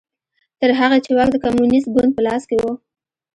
تر هغې چې واک د کمونېست ګوند په لاس کې و